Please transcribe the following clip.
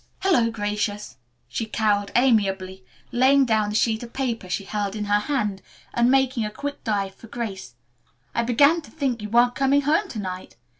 "Hello, Gracious," she caroled amiably, laying down the sheet of paper she held in her hand and making a quick dive for Grace. "I began to thing you weren't coming home to night.